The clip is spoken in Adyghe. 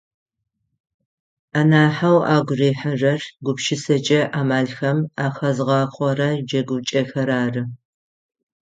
Анахьэу агу рихьырэр гупшысэкӏэ амалхэм ахэзгъэхъорэ джэгукӏэхэр ары.